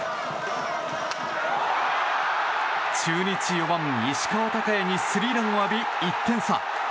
中日４番、石川昂弥にスリーランを浴び、１点差。